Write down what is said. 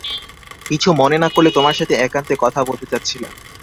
কিছু মনে না করলে তোমার সাথে একান্তে কথা বলতে চাচ্ছিলাম।